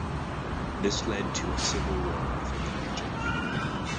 This led to a civil war within the region.